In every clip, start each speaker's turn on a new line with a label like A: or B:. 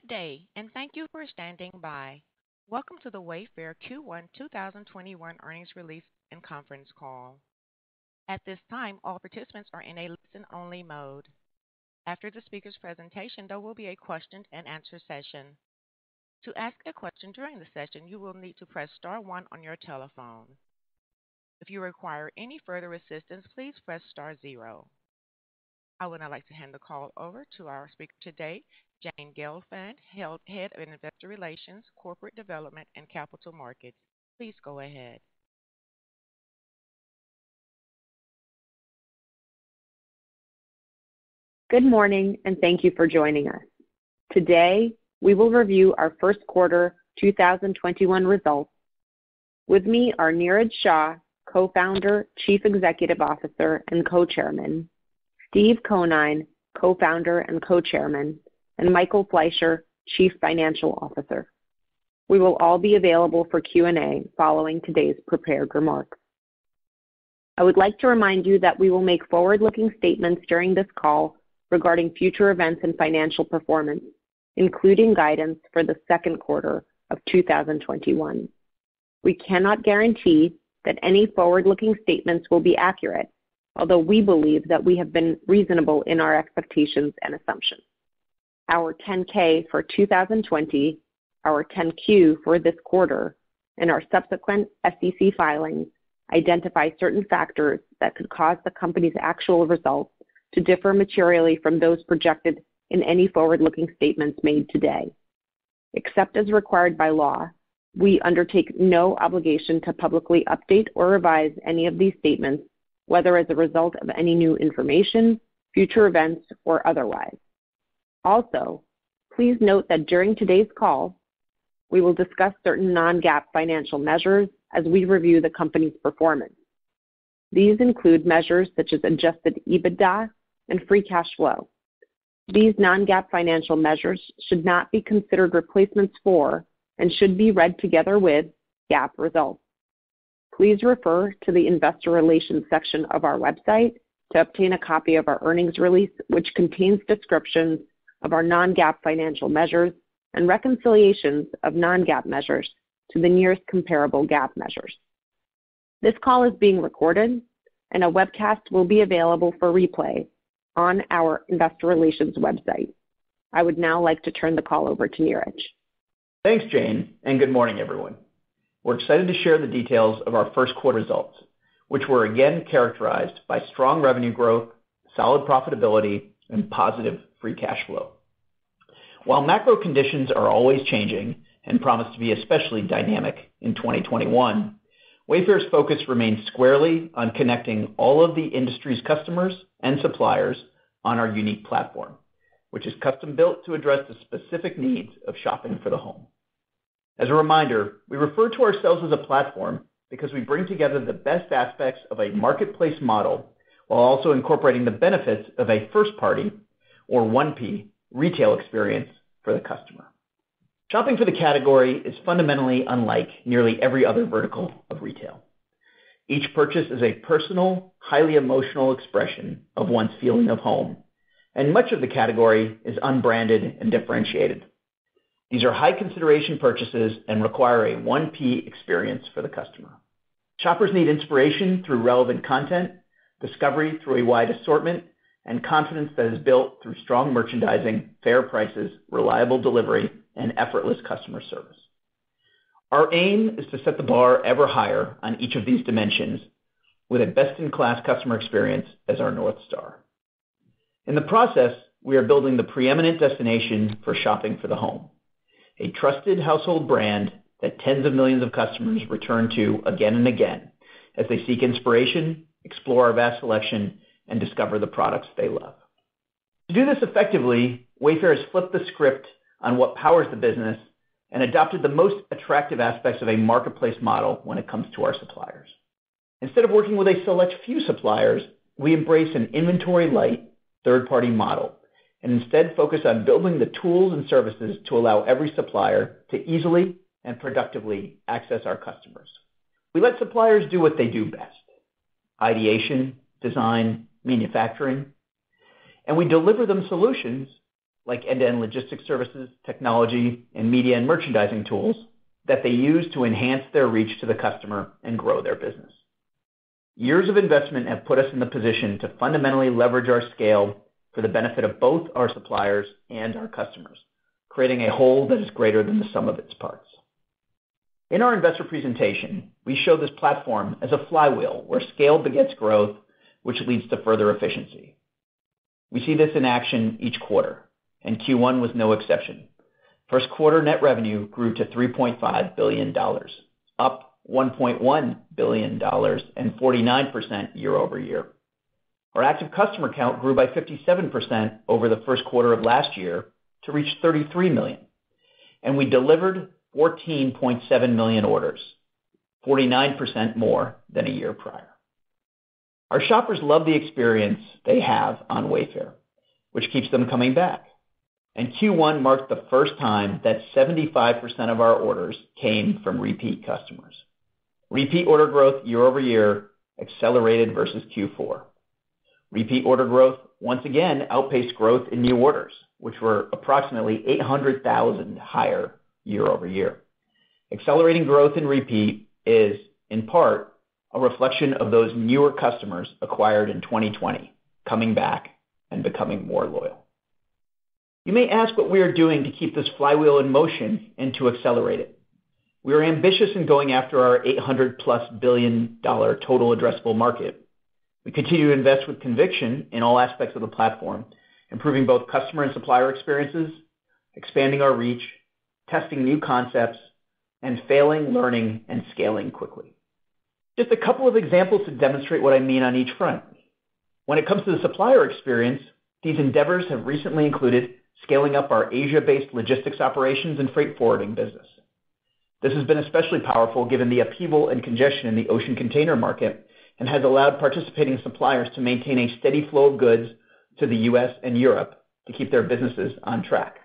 A: Good day, and thank you for standing by. Welcome to the Wayfair Q1 2021 Earnings Release and Conference Call. At this time all the participants are in a listen only mode after the speaker's presentation there will be a question and answer session to ask a question during the session you will need to press star one on your telephone, if you require any further assistance please press star zero. I would now like to hand the call over to our speaker today, Jane Gelfand, Head of Investor Relations, Corporate Development, and Capital Markets. Please go ahead.
B: Good morning, thank you for joining us. Today, we will review our first quarter 2021 results. With me are Niraj Shah, Co-founder, Chief Executive Officer, and Co-chairman, Steve Conine, Co-founder and Co-chairman, and Michael Fleisher, Chief Financial Officer. We will all be available for Q&A following today's prepared remarks. I would like to remind you that we will make forward-looking statements during this call regarding future events and financial performance, including guidance for the second quarter of 2021. We cannot guarantee that any forward-looking statements will be accurate, although we believe that we have been reasonable in our expectations and assumptions. Our 10-K for 2020, our 10-Q for this quarter, and our subsequent SEC filings identify certain factors that could cause the company's actual results to differ materially from those projected in any forward-looking statements made today. Except as required by law, we undertake no obligation to publicly update or revise any of these statements, whether as a result of any new information, future events, or otherwise. Also, please note that during today's call, we will discuss certain non-GAAP financial measures as we review the company's performance. These include measures such as adjusted EBITDA and free cash flow. These non-GAAP financial measures should not be considered replacements for and should be read together with GAAP results. Please refer to the Investor Relations section of our website to obtain a copy of our earnings release, which contains descriptions of our non-GAAP financial measures and reconciliations of non-GAAP measures to the nearest comparable GAAP measures. This call is being recorded, and a webcast will be available for replay on our Investor Relations website. I would now like to turn the call over to Niraj.
C: Thanks, Jane, and good morning, everyone. We're excited to share the details of our first quarter results, which were again characterized by strong revenue growth, solid profitability, and positive free cash flow. While macro conditions are always changing and promise to be especially dynamic in 2021, Wayfair's focus remains squarely on connecting all of the industry's customers and suppliers on our unique platform, which is custom-built to address the specific needs of shopping for the home. As a reminder, we refer to ourselves as a platform because we bring together the best aspects of a marketplace model while also incorporating the benefits of a first-party, or 1P, retail experience for the customer. Shopping for the category is fundamentally unlike nearly every other vertical of retail. Each purchase is a personal, highly emotional expression of one's feeling of home, and much of the category is unbranded and differentiated. These are high-consideration purchases and require a 1P experience for the customer. Shoppers need inspiration through relevant content, discovery through a wide assortment, and confidence that is built through strong merchandising, fair prices, reliable delivery, and effortless customer service. Our aim is to set the bar ever higher on each of these dimensions with a best-in-class customer experience as our North Star. In the process, we are building the preeminent destination for shopping for the home, a trusted household brand that tens of millions of customers return to again and again as they seek inspiration, explore our vast selection, and discover the products they love. To do this effectively, Wayfair has flipped the script on what powers the business and adopted the most attractive aspects of a marketplace model when it comes to our suppliers. Instead of working with a select few suppliers, we embrace an inventory-light, third-party model and instead focus on building the tools and services to allow every supplier to easily and productively access our customers. We let suppliers do what they do best: ideation, design, manufacturing, and we deliver them solutions like end-to-end logistics services, technology, and media and merchandising tools that they use to enhance their reach to the customer and grow their business. Years of investment have put us in the position to fundamentally leverage our scale for the benefit of both our suppliers and our customers, creating a whole that is greater than the sum of its parts. In our investor presentation, we show this platform as a flywheel where scale begets growth, which leads to further efficiency. We see this in action each quarter, and Q1 was no exception. First-quarter net revenue grew to $3.5 billion, up $1.1 billion and 49% year-over-year. Our active customer count grew by 57% over the first quarter of last year to reach 33 million, and we delivered 14.7 million orders, 49% more than a year prior. Our shoppers love the experience they have on Wayfair, which keeps them coming back, and Q1 marked the first time that 75% of our orders came from repeat customers. Repeat order growth year over year accelerated versus Q4. Repeat order growth, once again, outpaced growth in new orders, which were approximately 800,000 higher year-over-year. Accelerating growth in repeat is, in part, a reflection of those newer customers acquired in 2020 coming back and becoming more loyal. You may ask what we are doing to keep this flywheel in motion and to accelerate it. We are ambitious in going after our $800+ billion total addressable market. We continue to invest with conviction in all aspects of the platform, improving both customer and supplier experiences, expanding our reach, testing new concepts, and failing, learning, and scaling quickly. Just a couple of examples to demonstrate what I mean on each front. When it comes to the supplier experience, these endeavors have recently included scaling up our Asia-based logistics operations and freight forwarding business. This has been especially powerful given the upheaval and congestion in the ocean container market, and has allowed participating suppliers to maintain a steady flow of goods to the U.S. and Europe to keep their businesses on track.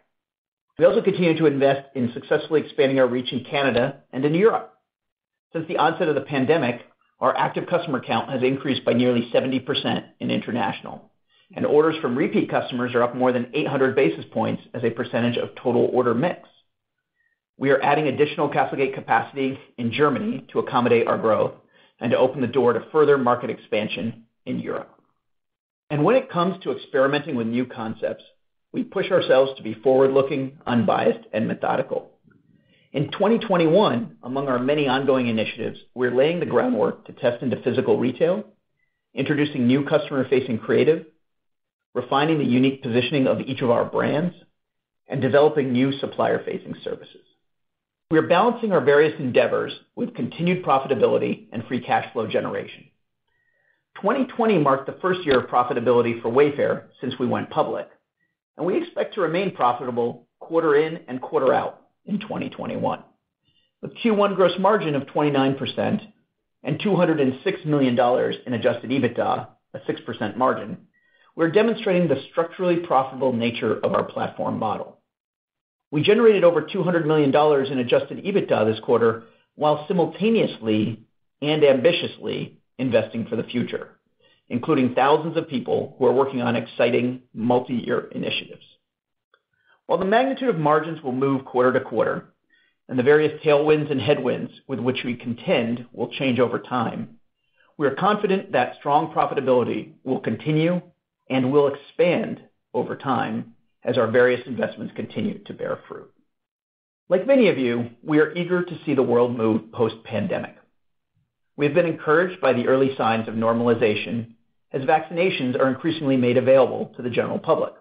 C: We also continue to invest in successfully expanding our reach in Canada and in Europe. Since the onset of the pandemic, our active customer count has increased by nearly 70% in international. Orders from repeat customers are up more than 800 basis points as a percentage of total order mix. We are adding additional CastleGate capacity in Germany to accommodate our growth and to open the door to further market expansion in Europe. When it comes to experimenting with new concepts, we push ourselves to be forward-looking, unbiased, and methodical. In 2021, among our many ongoing initiatives, we are laying the groundwork to test into physical retail, introducing new customer-facing creative, refining the unique positioning of each of our brands, and developing new supplier-facing services. We are balancing our various endeavors with continued profitability and free cash flow generation. 2020 marked the first year of profitability for Wayfair since we went public, and we expect to remain profitable quarter in and quarter out in 2021. With Q1 gross margin of 29% and $206 million in adjusted EBITDA, a 6% margin, we are demonstrating the structurally profitable nature of our platform model. We generated over $200 million in adjusted EBITDA this quarter while simultaneously and ambitiously investing for the future, including thousands of people who are working on exciting multiyear initiatives. While the magnitude of margins will move quarter to quarter, and the various tailwinds and headwinds with which we contend will change over time, we are confident that strong profitability will continue and will expand over time as our various investments continue to bear fruit. Like many of you, we are eager to see the world move post-pandemic. We have been encouraged by the early signs of normalization as vaccinations are increasingly made available to the general public.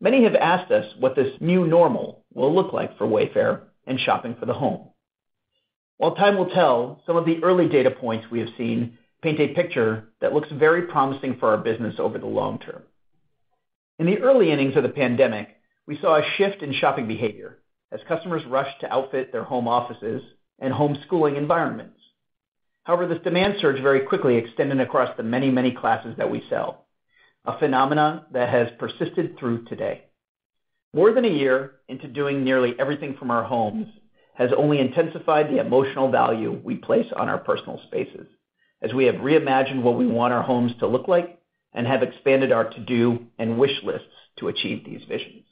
C: Many have asked us what this new normal will look like for Wayfair and shopping for the home. While time will tell, some of the early data points we have seen paint a picture that looks very promising for our business over the long term. In the early innings of the pandemic, we saw a shift in shopping behavior as customers rushed to outfit their home offices and homeschooling environments. However, this demand surge very quickly extended across the many classes that we sell, a phenomenon that has persisted through today. More than a year into doing nearly everything from our homes has only intensified the emotional value we place on our personal spaces, as we have reimagined what we want our homes to look like and have expanded our to-do and wish lists to achieve these visions.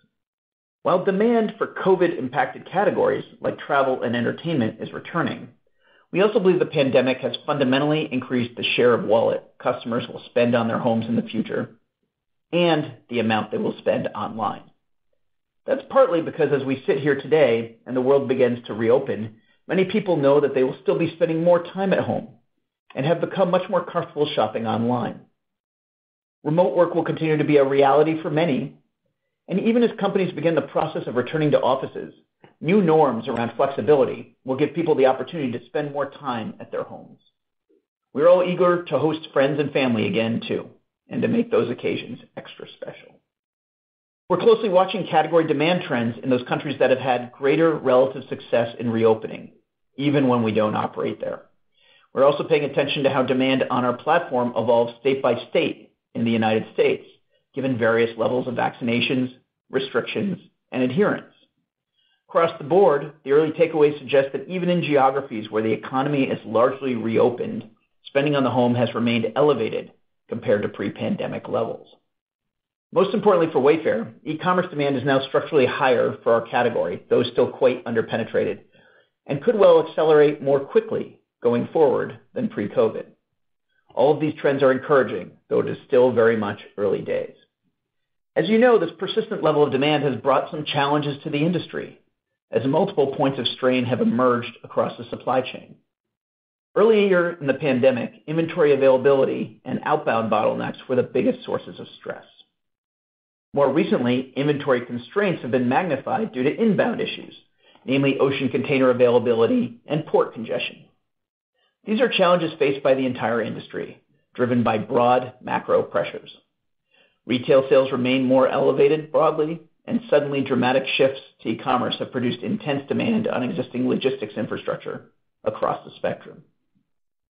C: While demand for COVID-impacted categories like travel and entertainment is returning, we also believe the pandemic has fundamentally increased the share of wallet customers will spend on their homes in the future and the amount they will spend online. That's partly because as we sit here today and the world begins to reopen, many people know that they will still be spending more time at home and have become much more comfortable shopping online. Remote work will continue to be a reality for many, and even as companies begin the process of returning to offices, new norms around flexibility will give people the opportunity to spend more time at their homes. We are all eager to host friends and family again too, and to make those occasions extra special. We're closely watching category demand trends in those countries that have had greater relative success in reopening, even when we don't operate there. We're also paying attention to how demand on our platform evolves state by state in the United States, given various levels of vaccinations, restrictions, and adherence. Across the board, the early takeaways suggest that even in geographies where the economy has largely reopened, spending on the home has remained elevated compared to pre-pandemic levels. Most importantly for Wayfair, e-commerce demand is now structurally higher for our category, though still quite under-penetrated, and could well accelerate more quickly going forward than pre-COVID. All of these trends are encouraging, though it is still very much early days. As you know, this persistent level of demand has brought some challenges to the industry, as multiple points of strain have emerged across the supply chain. Earlier in the pandemic, inventory availability and outbound bottlenecks were the biggest sources of stress. More recently, inventory constraints have been magnified due to inbound issues, namely ocean container availability and port congestion. These are challenges faced by the entire industry, driven by broad macro pressures. Retail sales remain more elevated broadly, and suddenly dramatic shifts to e-commerce have produced intense demand on existing logistics infrastructure across the spectrum.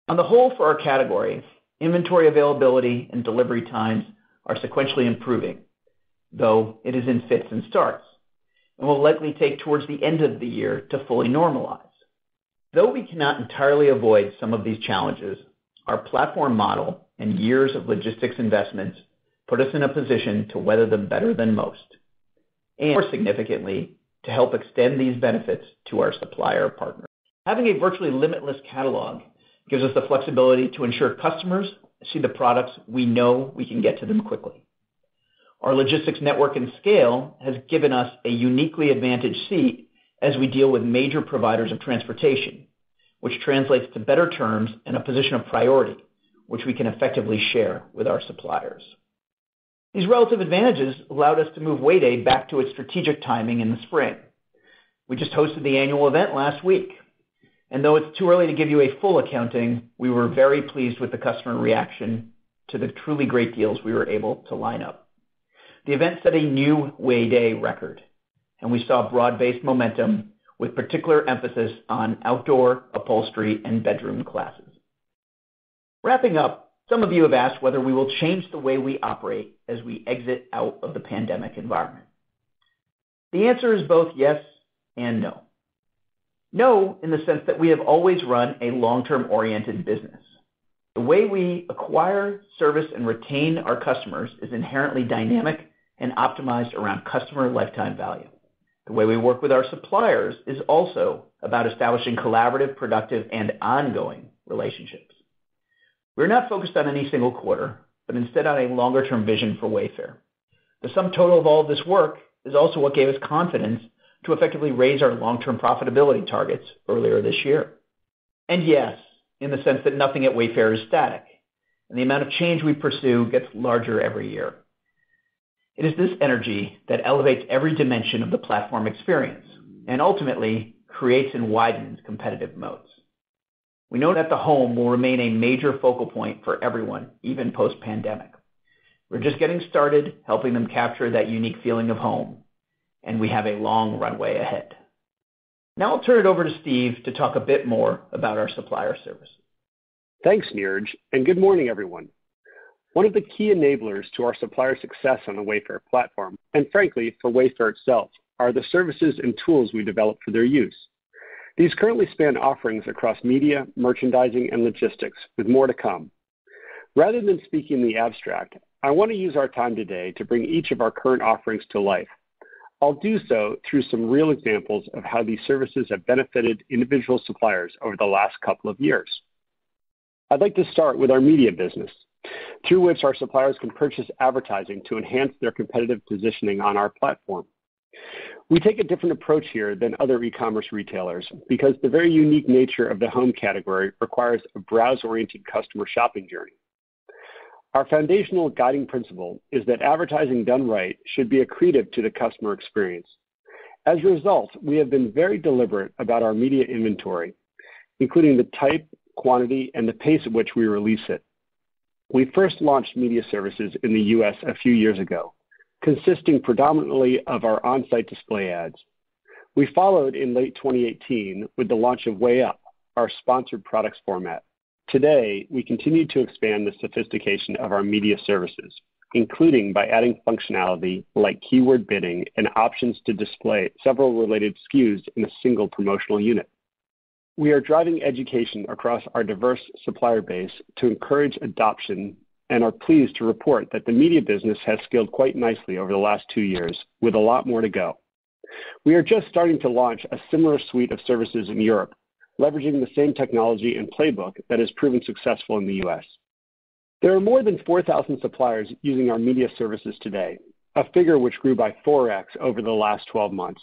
C: On the whole for our category, inventory availability and delivery times are sequentially improving, though it is in fits and starts, and will likely take towards the end of the year to fully normalize. Though we cannot entirely avoid some of these challenges, our platform model and years of logistics investments put us in a position to weather them better than most. More significantly, to help extend these benefits to our supplier partners. Having a virtually limitless catalog gives us the flexibility to ensure customers see the products we know we can get to them quickly. Our logistics network and scale has given us a uniquely advantaged seat as we deal with major providers of transportation, which translates to better terms and a position of priority, which we can effectively share with our suppliers. These relative advantages allowed us to move Way Day back to its strategic timing in the spring. We just hosted the annual event last week, and though it's too early to give you a full accounting, we were very pleased with the customer reaction to the truly great deals we were able to line up. The event set a new Way Day record, and we saw broad-based momentum with particular emphasis on outdoor, upholstery, and bedroom classes. Wrapping up, some of you have asked whether we will change the way we operate as we exit out of the pandemic environment. The answer is both yes and no. No, in the sense that we have always run a long-term oriented business. The way we acquire, service, and retain our customers is inherently dynamic and optimized around customer lifetime value. The way we work with our suppliers is also about establishing collaborative, productive, and ongoing relationships. We are not focused on any single quarter, but instead on a longer-term vision for Wayfair. The sum total of all this work is also what gave us confidence to effectively raise our long-term profitability targets earlier this year. Yes, in the sense that nothing at Wayfair is static, and the amount of change we pursue gets larger every year. It is this energy that elevates every dimension of the platform experience and ultimately creates and widens competitive moats. We know that the home will remain a major focal point for everyone, even post-pandemic. We're just getting started helping them capture that unique feeling of home, and we have a long runway ahead. Now I'll turn it over to Steve to talk a bit more about our supplier service.
D: Thanks, Niraj, and good morning, everyone. One of the key enablers to our supplier success on the Wayfair platform, and frankly, for Wayfair itself, are the services and tools we develop for their use. These currently span offerings across media, merchandising, and logistics, with more to come. Rather than speak in the abstract, I want to use our time today to bring each of our current offerings to life. I'll do so through some real examples of how these services have benefited individual suppliers over the last couple of years. I'd like to start with our media business, through which our suppliers can purchase advertising to enhance their competitive positioning on our platform. We take a different approach here than other e-commerce retailers because the very unique nature of the home category requires a browse-oriented customer shopping journey. Our foundational guiding principle is that advertising done right should be accretive to the customer experience. As a result, we have been very deliberate about our media inventory, including the type, quantity, and the pace at which we release it. We first launched media services in the U.S. a few years ago, consisting predominantly of our on-site display ads. We followed in late 2018 with the launch of Way Up, our sponsored products format. Today, we continue to expand the sophistication of our media services, including by adding functionality like keyword bidding and options to display several related SKUs in a single promotional unit. We are driving education across our diverse supplier base to encourage adoption and are pleased to report that the media business has scaled quite nicely over the last two years with a lot more to go. We are just starting to launch a similar suite of services in Europe, leveraging the same technology and playbook that has proven successful in the U.S. There are more than 4,000 suppliers using our media services today, a figure which grew by 4X over the last 12 months.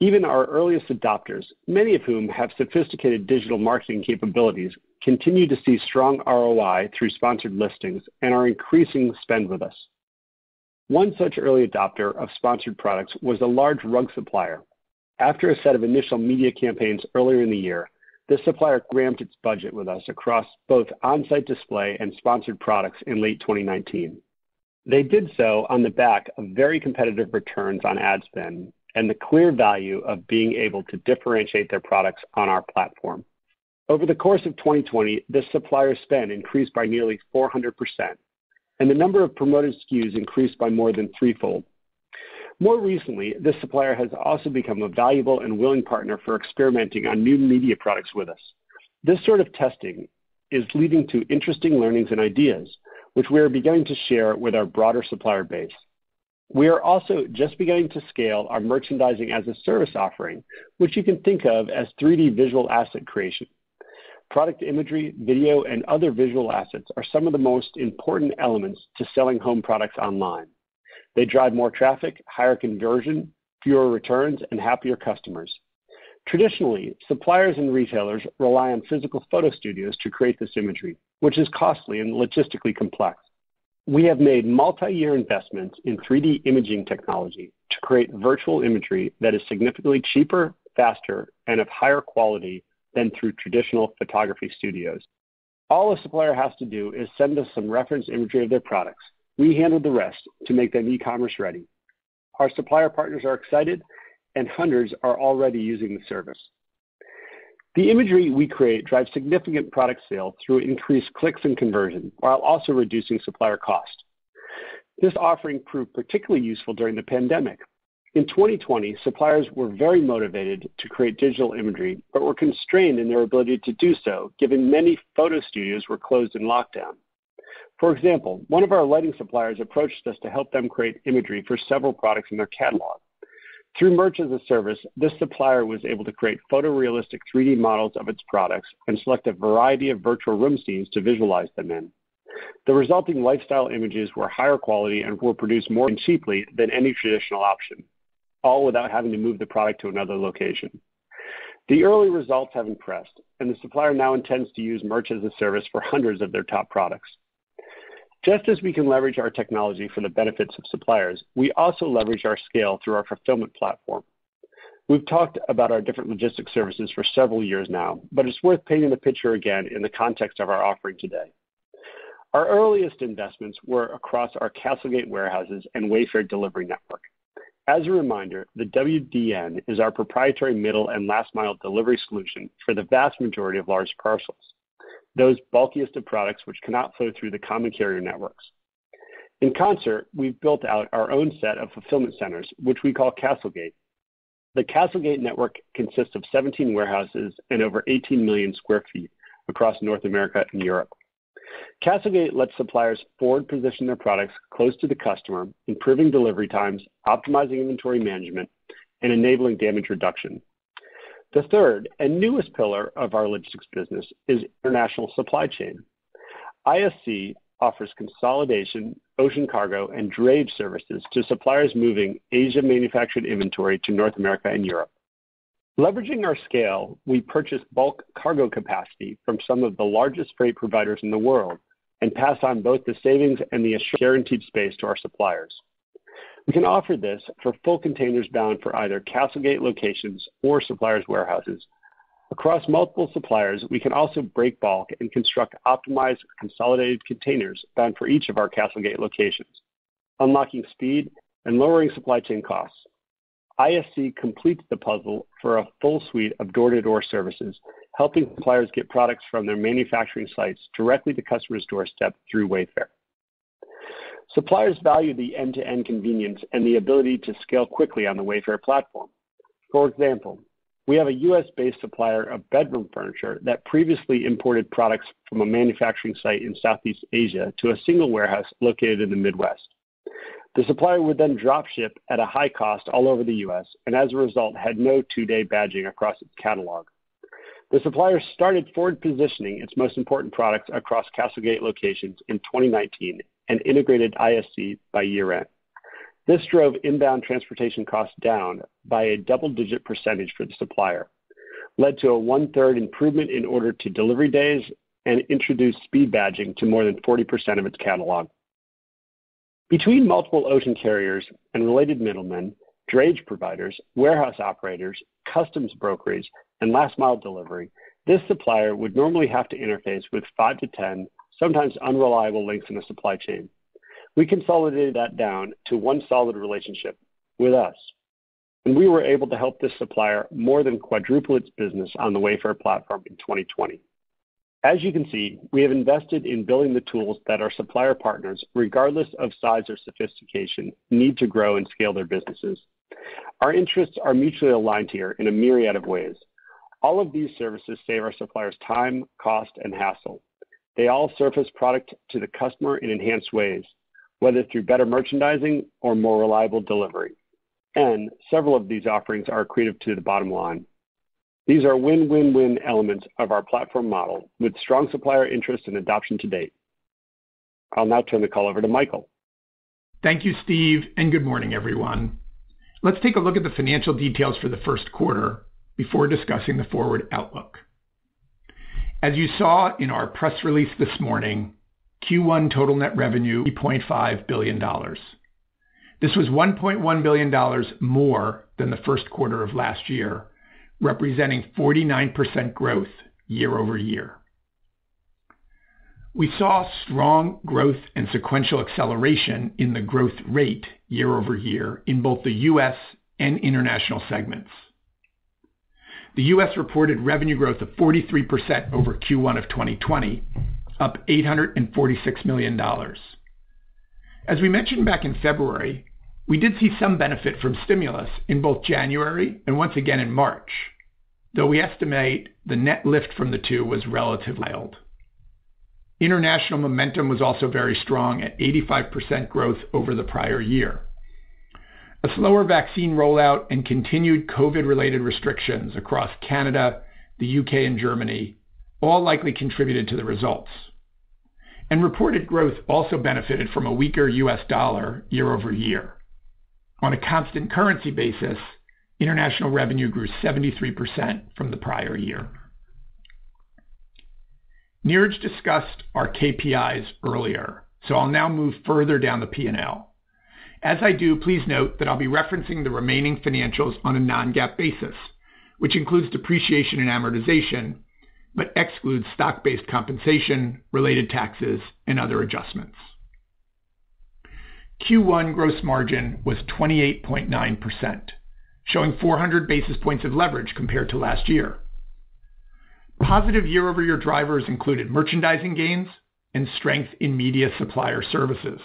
D: Even our earliest adopters, many of whom have sophisticated digital marketing capabilities, continue to see strong ROI through sponsored listings and are increasing spend with us. One such early adopter of sponsored products was a large rug supplier. After a set of initial media campaigns earlier in the year, this supplier ramped its budget with us across both on-site display and sponsored products in late 2019. They did so on the back of very competitive returns on ad spend and the clear value of being able to differentiate their products on our platform. Over the course of 2020, this supplier spend increased by nearly 400%, and the number of promoted SKUs increased by more than threefold. More recently, this supplier has also become a valuable and willing partner for experimenting on new media products with us. This sort of testing is leading to interesting learnings and ideas, which we are beginning to share with our broader supplier base. We are also just beginning to scale our Merch-as-a-Service offering, which you can think of as 3D visual asset creation. Product imagery, video, and other visual assets are some of the most important elements to selling home products online. They drive more traffic, higher conversion, fewer returns, and happier customers. Traditionally, suppliers and retailers rely on physical photo studios to create this imagery, which is costly and logistically complex. We have made multi-year investments in 3D imaging technology to create virtual imagery that is significantly cheaper, faster, and of higher quality than through traditional photography studios. All a supplier has to do is send us some reference imagery of their products. We handle the rest to make them e-commerce ready. Our supplier partners are excited, and hundreds are already using the service. The imagery we create drives significant product sales through increased clicks and conversion, while also reducing supplier cost. This offering proved particularly useful during the pandemic. In 2020, suppliers were very motivated to create digital imagery, but were constrained in their ability to do so, given many photo studios were closed in lockdown. For example, one of our lighting suppliers approached us to help them create imagery for several products in their catalog. Through Merch-as-a-Service, this supplier was able to create photorealistic 3D models of its products and select a variety of virtual room scenes to visualize them in. The resulting lifestyle images were higher quality and were produced more cheaply than any traditional option, all without having to move the product to another location. The early results have impressed, and the supplier now intends to use Merch-as-a-Service for hundreds of their top products. Just as we can leverage our technology for the benefits of suppliers, we also leverage our scale through our fulfillment platform. We've talked about our different logistics services for several years now, but it's worth painting the picture again in the context of our offering today. Our earliest investments were across our CastleGate warehouses and Wayfair Delivery Network. As a reminder, the WDN is our proprietary middle and last-mile delivery solution for the vast majority of large parcels, those bulkiest of products which cannot flow through the common carrier networks. In concert, we've built out our own set of fulfillment centers, which we call CastleGate. The CastleGate network consists of 17 warehouses and over 18 million sq ft across North America and Europe. CastleGate lets suppliers forward-position their products close to the customer, improving delivery times, optimizing inventory management, and enabling damage reduction. The third and newest pillar of our logistics business is international supply chain. ISC offers consolidation, ocean cargo, and drayage services to suppliers moving Asia-manufactured inventory to North America and Europe. Leveraging our scale, we purchase bulk cargo capacity from some of the largest freight providers in the world and pass on both the savings and the assured guaranteed space to our suppliers. We can offer this for full containers bound for either CastleGate locations or suppliers' warehouses. Across multiple suppliers, we can also break bulk and construct optimized, consolidated containers bound for each of our CastleGate locations, unlocking speed and lowering supply chain costs. ISC completes the puzzle for a full suite of door-to-door services, helping suppliers get products from their manufacturing sites directly to customers' doorstep through Wayfair. Suppliers value the end-to-end convenience and the ability to scale quickly on the Wayfair platform. For example, we have a U.S.-based supplier of bedroom furniture that previously imported products from a manufacturing site in Southeast Asia to a single warehouse located in the Midwest. The supplier would then drop ship at a high cost all over the U.S., and as a result, had no two-day badging across its catalog. The supplier started forward-positioning its most important product across CastleGate locations in 2019 and integrated ISC by year-end. This drove inbound transportation costs down by a double-digit percentage for the supplier, led to a one-third improvement in order to delivery days, and introduced speed badging to more than 40% of its catalog. Between multiple ocean carriers and related middlemen, drayage providers, warehouse operators, customs brokerage, and last mile delivery, this supplier would normally have to interface with five to 10, sometimes unreliable links in the supply chain. We consolidated that down to one solid relationship with us, and we were able to help this supplier more than quadruple its business on the Wayfair platform in 2020. As you can see, we have invested in building the tools that our supplier partners, regardless of size or sophistication, need to grow and scale their businesses. Our interests are mutually aligned here in a myriad of ways. All of these services save our suppliers time, cost, and hassle. They all surface product to the customer in enhanced ways, whether through better merchandising or more reliable delivery, and several of these offerings are accretive to the bottom line. These are win-win-win elements of our platform model with strong supplier interest and adoption to date. I'll now turn the call over to Michael.
E: Thank you, Steve, and good morning, everyone. Let's take a look at the financial details for the first quarter before discussing the forward outlook. As you saw in our press release this morning, Q1 total net revenue, $3.5 billion. This was $1.1 billion more than the first quarter of last year, representing 49% growth year-over-year. We saw strong growth and sequential acceleration in the growth rate year-over-year in both the U.S. and international segments. The U.S. reported revenue growth of 43% over Q1 of 2020, up $846 million. As we mentioned back in February, we did see some benefit from stimulus in both January and once again in March, though we estimate the net lift from the two was relatively mild. International momentum was also very strong at 85% growth over the prior year. A slower vaccine rollout and continued COVID-related restrictions across Canada, the U.K., and Germany all likely contributed to the results. Reported growth also benefited from a weaker US dollar year-over-year. On a constant currency basis, international revenue grew 73% from the prior year. Niraj discussed our KPIs earlier, so I'll now move further down the P&L. As I do, please note that I'll be referencing the remaining financials on a non-GAAP basis, which includes depreciation and amortization, but excludes stock-based compensation, related taxes, and other adjustments. Q1 gross margin was 28.9%, showing 400 basis points of leverage compared to last year. Positive year-over-year drivers included merchandising gains and strength in media supplier services.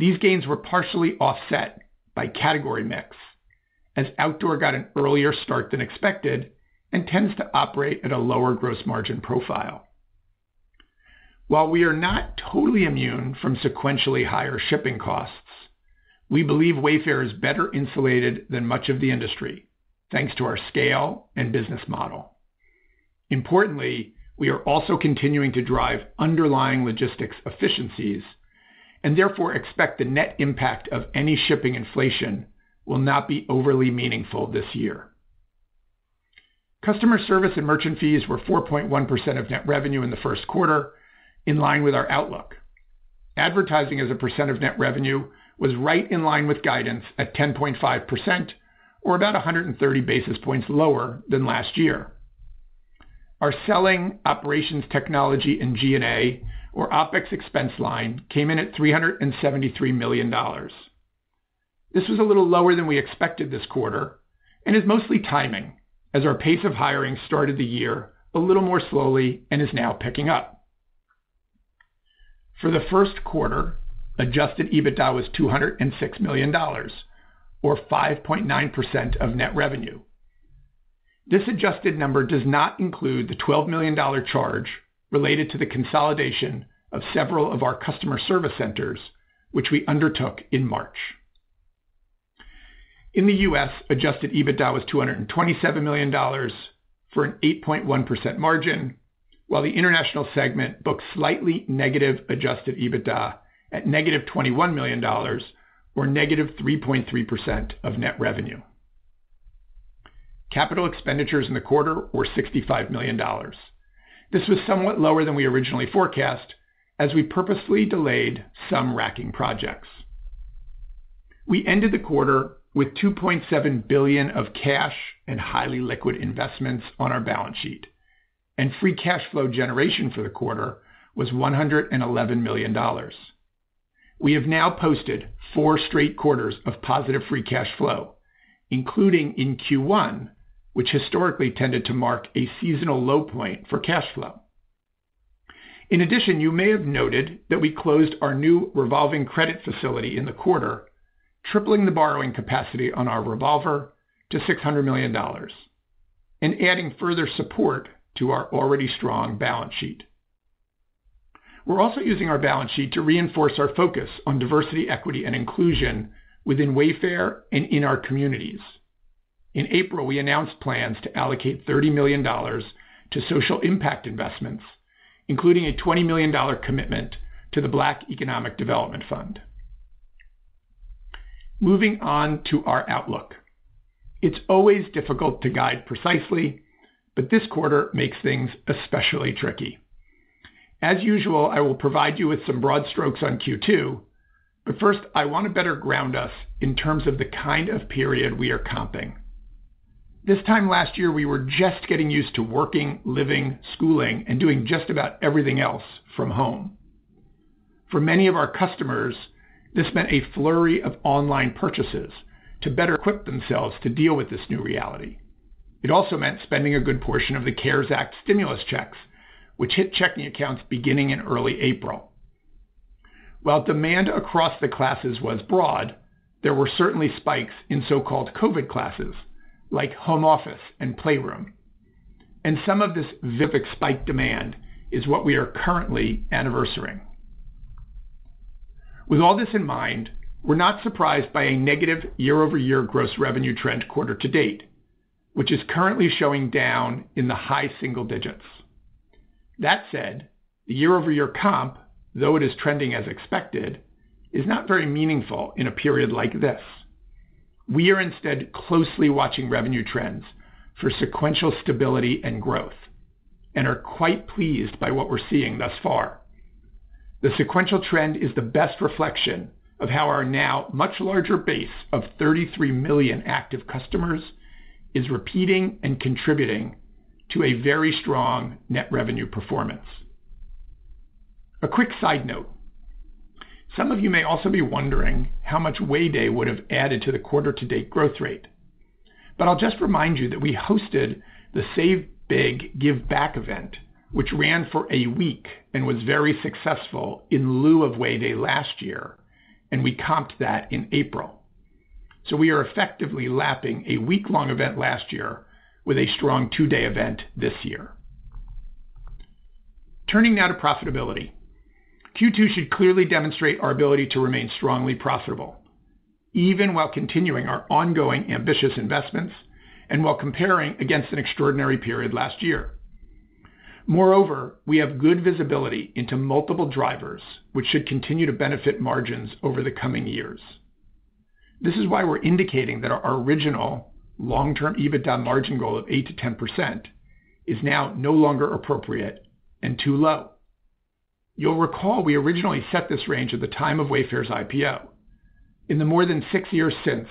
E: These gains were partially offset by category mix, as outdoor got an earlier start than expected and tends to operate at a lower gross margin profile. While we are not totally immune from sequentially higher shipping costs, we believe Wayfair is better insulated than much of the industry, thanks to our scale and business model. Importantly, we are also continuing to drive underlying logistics efficiencies, and therefore expect the net impact of any shipping inflation will not be overly meaningful this year. Customer service and merchant fees were 4.1% of net revenue in the first quarter, in line with our outlook. Advertising as a percent of net revenue was right in line with guidance at 10.5%, or about 130 basis points lower than last year. Our selling, operations, technology, and G&A, or OPEX expense line, came in at $373 million. This was a little lower than we expected this quarter and is mostly timing, as our pace of hiring started the year a little more slowly and is now picking up. For the first quarter, adjusted EBITDA was $206 million, or 5.9% of net revenue. This adjusted number does not include the $12 million charge related to the consolidation of several of our customer service centers, which we undertook in March. In the U.S., adjusted EBITDA was $227 million for an 8.1% margin, while the international segment booked slightly negative adjusted EBITDA at -$21 million, or -3.3% of net revenue. Capital expenditures in the quarter were $65 million. This was somewhat lower than we originally forecast as we purposely delayed some racking projects. We ended the quarter with $2.7 billion of cash and highly liquid investments on our balance sheet, and free cash flow generation for the quarter was $111 million. We have now posted four straight quarters of positive free cash flow, including in Q1, which historically tended to mark a seasonal low point for cash flow. In addition, you may have noted that we closed our new revolving credit facility in the quarter, tripling the borrowing capacity on our revolver to $600 million, and adding further support to our already strong balance sheet. We're also using our balance sheet to reinforce our focus on diversity, equity, and inclusion within Wayfair and in our communities. In April, we announced plans to allocate $30 million to social impact investments, including a $20 million commitment to the Black Economic Development Fund. Moving on to our outlook. It's always difficult to guide precisely, but this quarter makes things especially tricky. As usual, I will provide you with some broad strokes on Q2. First, I want to better ground us in terms of the kind of period we are comping. This time last year, we were just getting used to working, living, schooling, and doing just about everything else from home. For many of our customers, this meant a flurry of online purchases to better equip themselves to deal with this new reality. It also meant spending a good portion of the CARES Act stimulus checks, which hit checking accounts beginning in early April. While demand across the classes was broad, there were certainly spikes in so-called COVID classes like home office and playroom. Some of this vivid spike demand is what we are currently anniversarying. With all this in mind, we're not surprised by a negative year-over-year gross revenue trend quarter to date, which is currently showing down in the high single digits. That said, the year-over-year comp, though it is trending as expected, is not very meaningful in a period like this. We are instead closely watching revenue trends for sequential stability and growth and are quite pleased by what we're seeing thus far. The sequential trend is the best reflection of how our now much larger base of 33 million active customers is repeating and contributing to a very strong net revenue performance. A quick side note. Some of you may also be wondering how much Way Day would have added to the quarter-to-date growth rate. I'll just remind you that we hosted the Save Big, Give Back event, which ran for a week and was very successful in lieu of Way Day last year, and we comped that in April. We are effectively lapping a week-long event last year with a strong two-day event this year. Turning now to profitability. Q2 should clearly demonstrate our ability to remain strongly profitable, even while continuing our ongoing ambitious investments and while comparing against an extraordinary period last year. Moreover, we have good visibility into multiple drivers, which should continue to benefit margins over the coming years. This is why we're indicating that our original long-term EBITDA margin goal of 8%-10% is now no longer appropriate and too low. You'll recall we originally set this range at the time of Wayfair's IPO. In the more than six years since,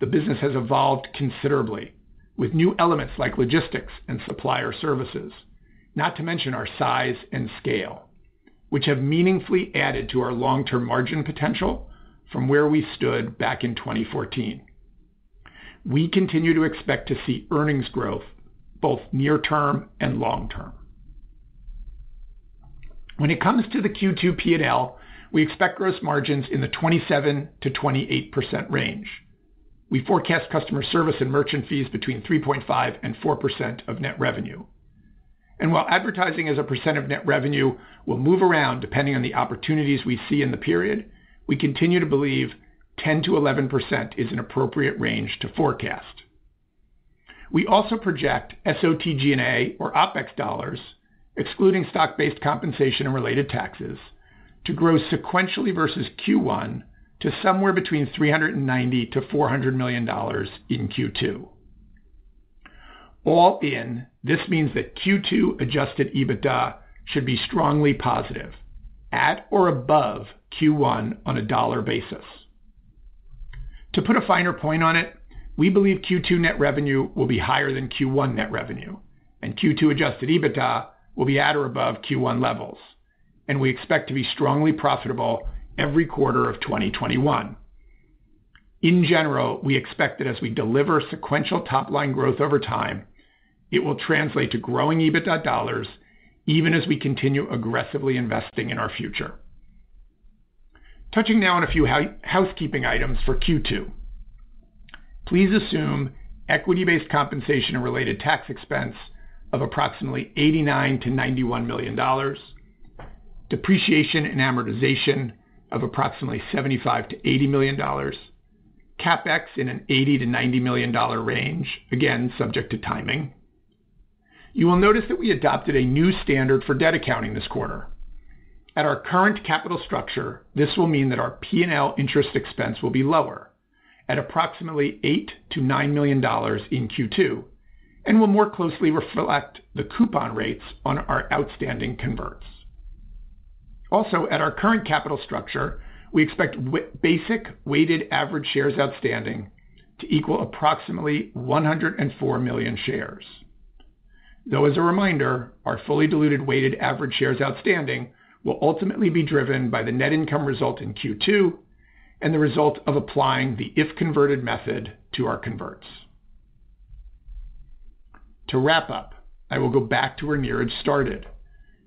E: the business has evolved considerably, with new elements like logistics and supplier services, not to mention our size and scale, which have meaningfully added to our long-term margin potential from where we stood back in 2014. We continue to expect to see earnings growth both near-term and long-term. When it comes to the Q2 P&L, we expect gross margins in the 27%-28% range. We forecast customer service and merchant fees between 3.5% and 4% of net revenue. While advertising as a percent of net revenue will move around depending on the opportunities we see in the period, we continue to believe 10%-11% is an appropriate range to forecast. We also project SG&A or OpEx dollars, excluding stock-based compensation and related taxes, to grow sequentially versus Q1 to somewhere between $390 million-$400 million in Q2. All in, this means that Q2 adjusted EBITDA should be strongly positive, at or above Q1 on a dollar basis. To put a finer point on it, we believe Q2 net revenue will be higher than Q1 net revenue, and Q2 adjusted EBITDA will be at or above Q1 levels. We expect to be strongly profitable every quarter of 2021. In general, we expect that as we deliver sequential top-line growth over time, it will translate to growing EBITDA dollars even as we continue aggressively investing in our future. Touching now on a few housekeeping items for Q2. Please assume equity-based compensation and related tax expense of approximately $89 million-$91 million, depreciation and amortization of approximately $75 million-$80 million, CapEx in an $80 million-$90 million range, again, subject to timing. You will notice that we adopted a new standard for debt accounting this quarter. At our current capital structure, this will mean that our P&L interest expense will be lower at approximately $8 million-$9 million in Q2 and will more closely reflect the coupon rates on our outstanding converts. Also, at our current capital structure, we expect basic weighted average shares outstanding to equal approximately 104 million shares. Though, as a reminder, our fully diluted weighted average shares outstanding will ultimately be driven by the net income result in Q2 and the result of applying the if-converted method to our converts. To wrap up, I will go back to where Niraj started.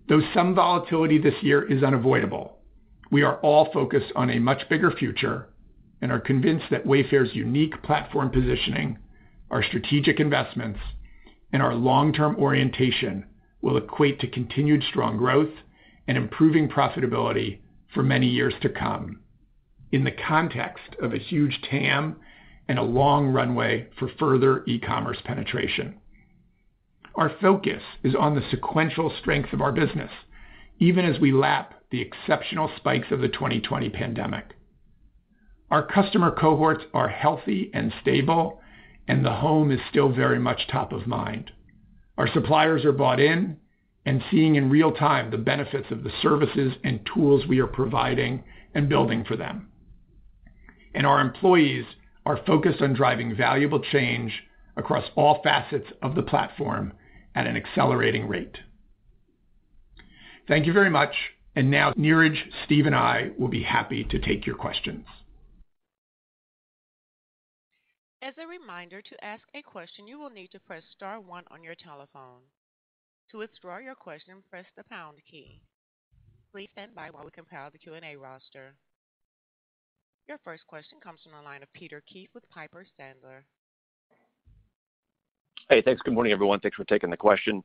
E: Though some volatility this year is unavoidable, we are all focused on a much bigger future and are convinced that Wayfair's unique platform positioning, our strategic investments, and our long-term orientation will equate to continued strong growth and improving profitability for many years to come in the context of a huge TAM and a long runway for further e-commerce penetration. Our focus is on the sequential strength of our business, even as we lap the exceptional spikes of the 2020 pandemic. Our customer cohorts are healthy and stable, and the home is still very much top of mind. Our suppliers are bought in and seeing in real time the benefits of the services and tools we are providing and building for them. Our employees are focused on driving valuable change across all facets of the platform at an accelerating rate. Thank you very much. Now, Niraj, Steve, and I will be happy to take your questions.
A: As a reminder to ask a question you will need to press star one on your telephone to withdraw your question press the pound key. Stand by while I compile the Q&A roster. Your first question comes from the line of Peter Keith with Piper Sandler.
F: Hey, thanks. Good morning, everyone. Thanks for taking the question.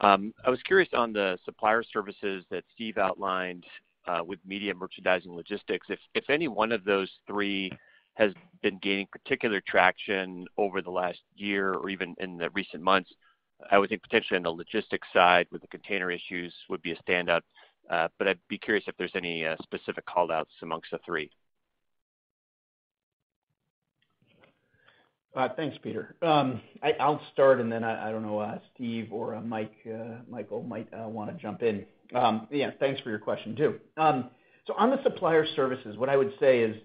F: I was curious on the supplier services that Steve outlined with media merchandising logistics, if any one of those three has been gaining particular traction over the last year or even in the recent months. I would think potentially on the logistics side with the container issues would be a standout. I'd be curious if there's any specific call-outs amongst the three.
C: Thanks, Peter. I'll start, I don't know, Steve or Michael might want to jump in. Yeah, thanks for your question too. On the supplier services, what I would say is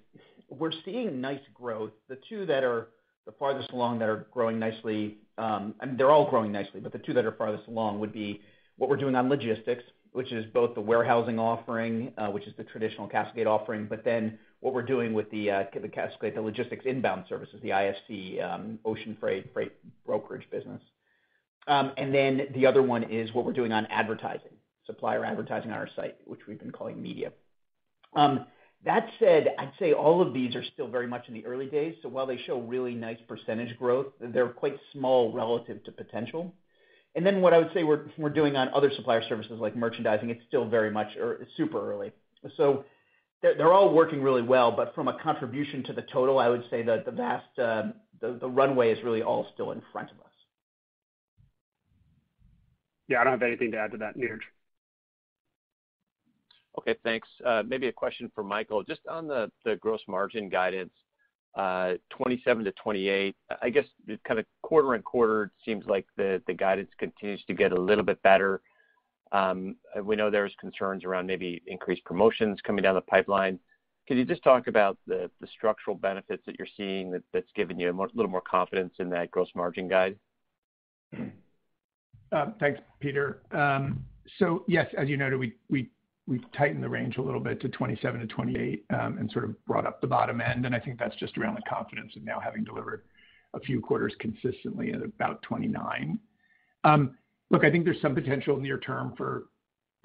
C: we're seeing nice growth. The two that are the farthest along that are growing nicely, I mean, they're all growing nicely, but the two that are farthest along would be what we're doing on logistics, which is both the warehousing offering, which is the traditional CastleGate offering, but then what we're doing with the CastleGate, the logistics inbound services, the ISC ocean freight brokerage business. The other one is what we're doing on advertising, supplier advertising on our site, which we've been calling media. That said, I'd say all of these are still very much in the early days. While they show really nice percentage growth, they're quite small relative to potential. What I would say we're doing on other supplier services like merchandising, it's still very much super early. They're all working really well. From a contribution to the total, I would say that the runway is really all still in front of us.
D: Yeah, I don't have anything to add to that, Niraj.
F: Okay, thanks. Maybe a question for Michael, just on the gross margin guidance, 27%-28%. I guess just kind of quarter-over-quarter, it seems like the guidance continues to get a little bit better. We know there's concerns around maybe increased promotions coming down the pipeline. Could you just talk about the structural benefits that you're seeing that's giving you a little more confidence in that gross margin guide?
E: Thanks, Peter. Yes, as you noted, we've tightened the range a little bit to 27-28 and sort of brought up the bottom end, and I think that's just around the confidence of now having delivered a few quarters consistently at about 29. Look, I think there's some potential near term for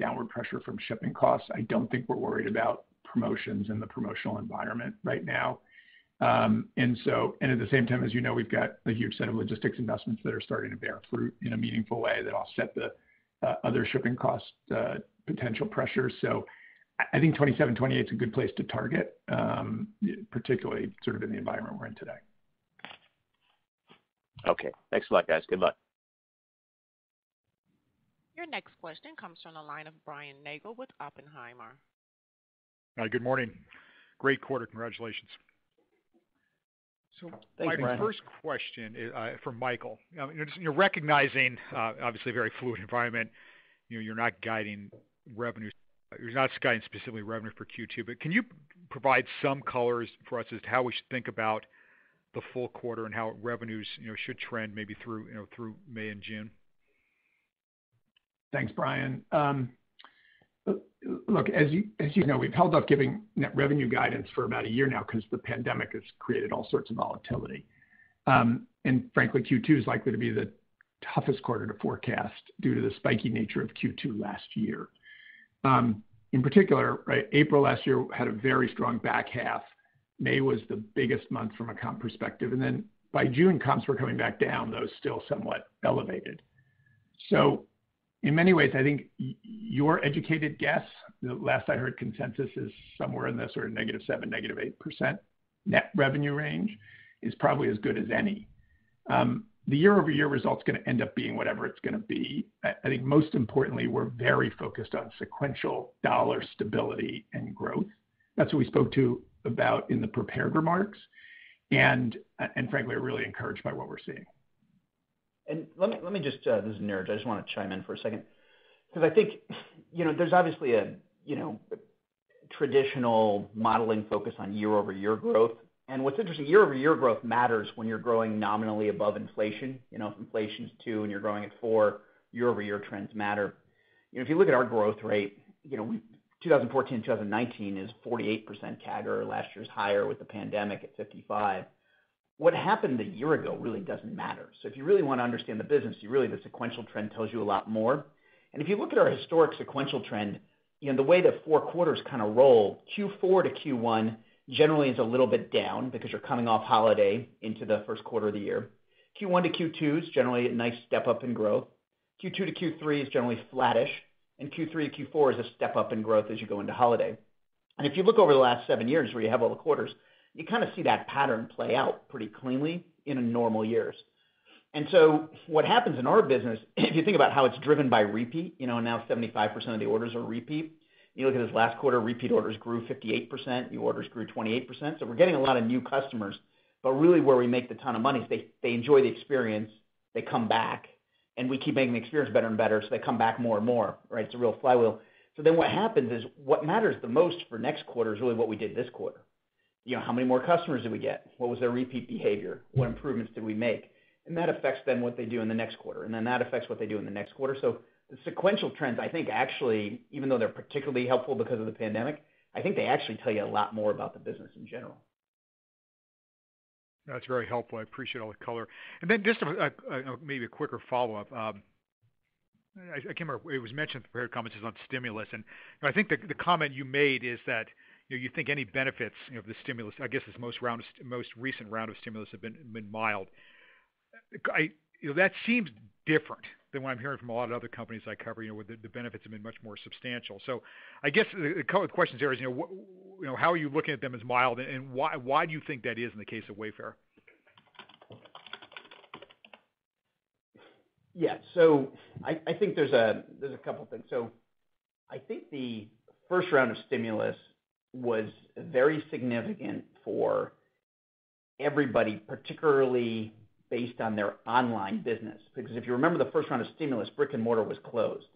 E: downward pressure from shipping costs. I don't think we're worried about promotions and the promotional environment right now. At the same time, as you know, we've got a huge set of logistics investments that are starting to bear fruit in a meaningful way that offset the other shipping cost potential pressures. I think 27-28 is a good place to target, particularly sort of in the environment we're in today.
F: Okay. Thanks a lot, guys. Good luck.
A: Your next question comes from the line of Brian Nagel with Oppenheimer.
G: Good morning. Great quarter. Congratulations.
E: Thanks, Brian.
G: My first question for Michael. You're recognizing obviously a very fluid environment. You're not guiding specifically revenue for Q2, can you provide some colors for us as to how we should think about the full quarter and how revenues should trend maybe through May and June?
E: Thanks, Brian. Look, as you know, we've held off giving net revenue guidance for about a year now because the pandemic has created all sorts of volatility. Frankly, Q2 is likely to be the toughest quarter to forecast due to the spiky nature of Q2 last year. In particular, April last year had a very strong back half. May was the biggest month from a comp perspective, and then by June, comps were coming back down, though still somewhat elevated. In many ways, I think your educated guess, the last I heard, consensus is somewhere in the sort of -7% to -8% net revenue range, is probably as good as any. The year-over-year result's going to end up being whatever it's going to be. I think most importantly, we're very focused on sequential dollar stability and growth. That's what we spoke to about in the prepared remarks, and frankly, are really encouraged by what we're seeing.
C: This is Niraj. I just want to chime in for a second because I think there's obviously a traditional modeling focus on year-over-year growth. What's interesting, year-over-year growth matters when you're growing nominally above inflation. If inflation's two and you're growing at four, year-over-year trends matter. If you look at our growth rate, 2014-2019 is 48% CAGR. Last year's higher with the pandemic at 55%. What happened a year ago really doesn't matter. If you really want to understand the business, really the sequential trend tells you a lot more. If you look at our historic sequential trend, the way the four quarters kind of roll, Q4-Q1 generally is a little bit down because you're coming off holiday into the first quarter of the year. Q1-Q2 is generally a nice step-up in growth. Q2-Q3 is generally flattish, and Q3-Q4 is a step-up in growth as you go into holiday. If you look over the last seven years, where you have all the quarters, you kind of see that pattern play out pretty cleanly in normal years. What happens in our business, if you think about how it's driven by repeat, now 75% of the orders are repeat. You look at this last quarter, repeat orders grew 58%, new orders grew 28%. We're getting a lot of new customers, but really where we make the ton of money is they enjoy the experience, they come back, and we keep making the experience better and better, so they come back more and more, right? It's a real flywheel. What happens is, what matters the most for next quarter is really what we did this quarter. How many more customers did we get? What was their repeat behavior? What improvements did we make? That affects then what they do in the next quarter, and then that affects what they do in the next quarter. The sequential trends, I think actually, even though they're particularly helpful because of the pandemic, I think they actually tell you a lot more about the business in general.
G: That's very helpful. I appreciate all the color. Then just maybe a quicker follow-up. I can't remember, it was mentioned in the prepared comments on stimulus, and I think the comment you made is that you think any benefits of the stimulus, I guess this most recent round of stimulus, have been mild. That seems different than what I'm hearing from a lot of other companies I cover, where the benefits have been much more substantial. I guess the question there is how are you looking at them as mild, and why do you think that is in the case of Wayfair?
C: Yeah. I think there's a couple things. I think the first round of stimulus was very significant for everybody, particularly based on their online business. Because if you remember the first round of stimulus, brick and mortar was closed.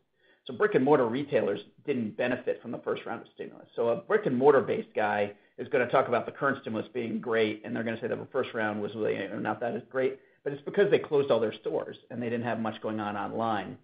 C: Brick and mortar retailers didn't benefit from the first round of stimulus. A brick-and-mortar-based guy is going to talk about the current stimulus being great, and they're going to say that the first round was really not that great, but it's because they closed all their stores and they didn't have much going on online.